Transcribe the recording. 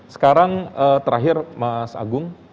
sekarang terakhir mas agung